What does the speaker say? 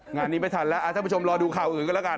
งานนี้ไม่ทันแล้วท่านผู้ชมรอดูข่าวอื่นกันแล้วกัน